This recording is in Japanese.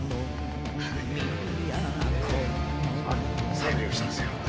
三両したんですよ。